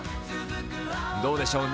どうでしょう？